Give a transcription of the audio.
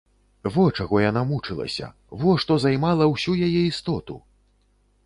Во чаго яна мучылася, во што займала ўсю яе істоту!